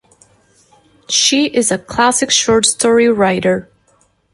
She is a classic short story writer.